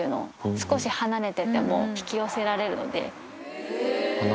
少し離れてても引き寄せられるので。